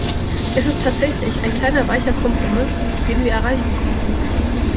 Es ist tatsächlich ein kleiner weicher Kompromiss, den wir erreichen konnten.